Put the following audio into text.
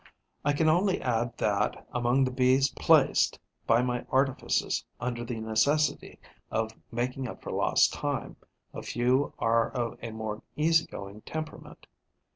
I can only add that, among the Bees placed by my artifices under the necessity of making up for lost time, a few are of a more easy going temperament.